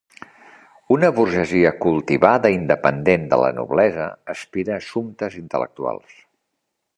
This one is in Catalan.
Una burgesia cultivada i independent de la noblesa aspira a assumptes intel·lectuals.